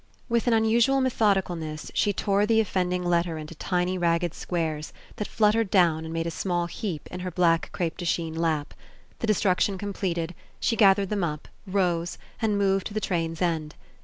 With an unusual methodicalness she tore the offending letter into tiny ragged squares that fluttered down and made a small heap in her black crepe de Chine lap. The de struction completed, she gathered them up, rose, and moved to the train's end.